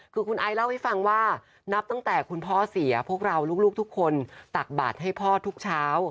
คือคุณไอเล่าให้ฟังว่านับตั้งแต่คุณพ่อเสียพวกเราลูกทุกคนตักบาทให้พ่อทุกเช้า